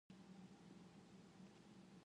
Aku tidak tahu tepatnya.